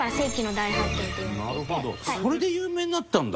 伊達：それで有名になったんだ。